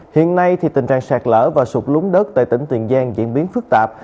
hiện nay thì tình trạng sạt lỡ và sụt lúng đất tại tỉnh tuyền giang diễn biến phức tạp